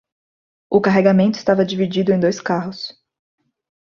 O carregamento estava dividido em dois carros